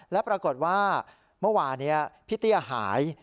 และปรากฏว่าเมื่อวานี้พี่เตี้ยหาย